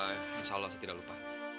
insya allah saya tidak lupa